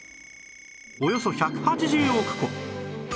およそ１８０億個